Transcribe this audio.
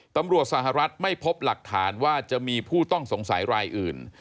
สหรัฐไม่พบหลักฐานว่าจะมีผู้ต้องสงสัยรายอื่น